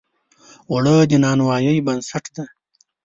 اوړه د نانوایۍ بنسټ دی